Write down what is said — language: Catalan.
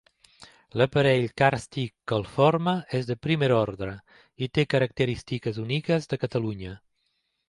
L'aparell càrstic que el forma és de primer ordre i té característiques úniques de Catalunya.